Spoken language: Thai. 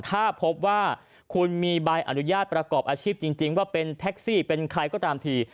ถ้าพบว่าคุณมีใบอนุญาตประกอบอาชีพจริงว่าเป็นแท็กซี่เป็นใครก็ตามที